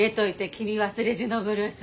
「君忘れじのブルース」。